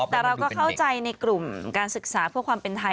แต่เราก็เข้าใจในกลุ่มการศึกษาเพื่อความเป็นไทย